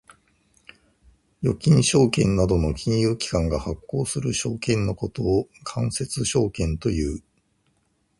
預金証券などの金融機関が発行する証券のことを間接証券という。